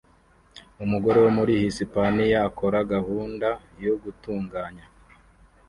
Umugore wo muri Hisipaniya akora gahunda yo gutunganya